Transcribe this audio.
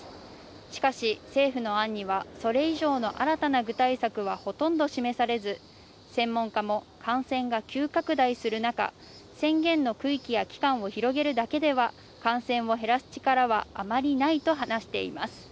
しかし政府の案にはそれ以上の新たな具体策はほとんど示されず、専門家も感染が急拡大する中、宣言の区域や期間を広げるだけでは感染を減らす力はあまりないと話しています。